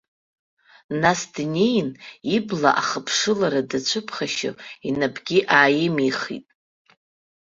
Нас днеин, ибла ахԥшылара дацәыԥхашьо, инапгьы ааимихит.